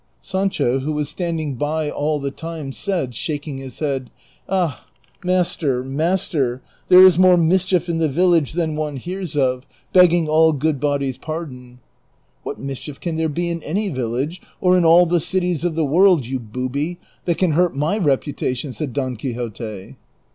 Sancho, who was standing by all the time, said, shaking his head, '■' Ah ! master, master, there is more mischief in the vil lage than one hears of,^ begging all good bodies' pardon." " What mischief can there be in any village, or in all the cities of the world, you booby, that can hurt my reputation ?" said Don Quixote.